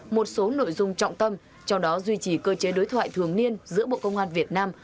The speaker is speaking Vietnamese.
một số nội dung trọng tâm trong đó duy trì cơ chế đối thoại thường niên giữa bộ công an việt nam